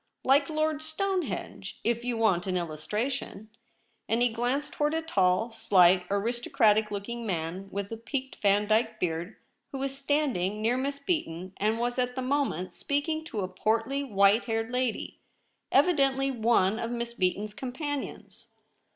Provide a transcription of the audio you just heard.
' Like Lord Stonehenge, if you want an Illustration,' and he glanced towards a tall, slight, aristocratic looking man with a peaked Vandyke beard, who was standing near Miss IN THE LOBBY. Beaton, and was at the moment speaking to a portly white haired lady, evidently one of Miss Beaton's companions.